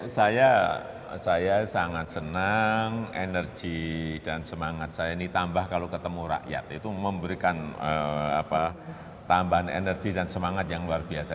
saya saya sangat senang energi dan semangat saya ini tambah kalau ketemu rakyat itu memberikan tambahan energi dan semangat yang luar biasa